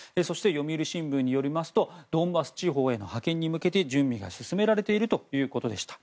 そして、読売新聞によりますとドンバス地方への派遣に向けて準備が進められているということでした。